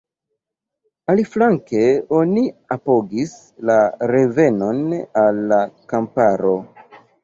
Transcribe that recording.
Aliflanke oni apogis “la revenon al la kamparo”.